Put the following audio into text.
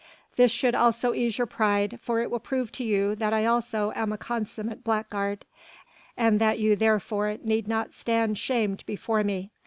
This should also ease your pride, for it will prove to you that I also am a consummate blackguard and that you therefore need not stand shamed before me.